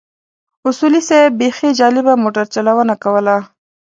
اصولي صیب بيخي جالبه موټر چلونه کوله.